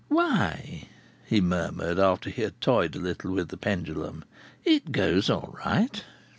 "Why!" he murmured, after he had toyed a little with the pendulum, "it goes all right.